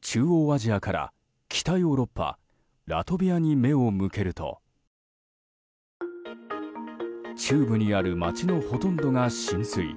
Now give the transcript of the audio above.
中央アジアから北ヨーロッパラトビアに目を向けると中部にある町のほとんどが浸水。